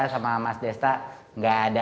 sama mas delta enggak ada